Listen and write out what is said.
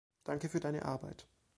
Danke für deine Arbeit!